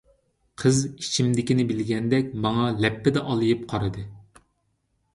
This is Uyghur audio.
قىز ئىچىمدىكىنى بىلگەندەك ماڭا لەپپىدە ئالىيىپ قارىدى.